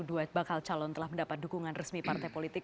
dua bakal calon telah mendapat dukungan resmi partai politik